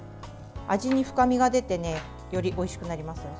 味に深みが出てよりおいしくなりますよ。